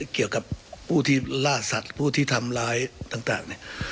เกี่ยวกับผู้ที่ล่าสัตว์ผู้ที่ทำร้ายต่างเนี่ย